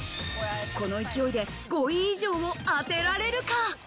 この勢いで５位以上を当てられるか。